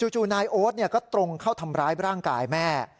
จู่นายโอ๊ตก็ตรงเข้าทำร้ายร่างกายแม่